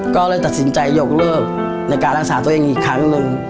ก็เลยตัดสินใจยกเลิกในการรักษาตัวเองอีกครั้งหนึ่ง